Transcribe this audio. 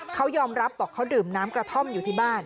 เขายอมรับบอกเขาดื่มน้ำกระท่อมอยู่ที่บ้าน